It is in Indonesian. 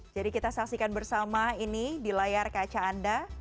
jadi kita saksikan bersama ini di layar kaca anda